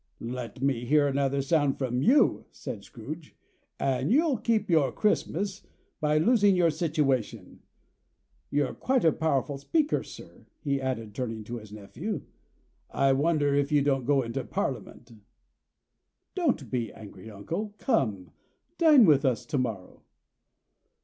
"Let me hear another sound from you," said Scrooge, "and you'll keep your Christmas by losing your situation. You're quite a powerful speaker, sir," he added, turning to his nephew. "I wonder you don't go into Parliament." "Don't be angry, uncle. Come! Dine with us to morrow."